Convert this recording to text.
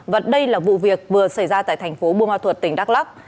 và đây là vụ việc vừa xảy ra tại thành phố bùa ma thuật tỉnh đắk lắk